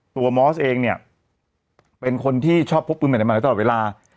ตัวมอสเองเนี่ยเป็นคนที่ชอบพบปืนเหมือนกันมาตลอดเวลา